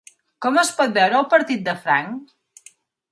Com es pot veure el partit de franc?